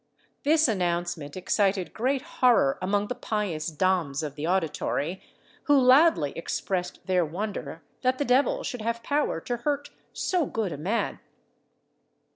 This announcement excited great horror among the pious dames of the auditory, who loudly expressed their wonder that the devil should have power to hurt so good a man.